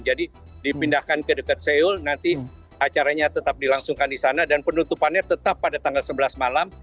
jadi dipindahkan ke dekat seoul nanti acaranya tetap dilangsungkan di sana dan penutupannya tetap pada tanggal sebelas malam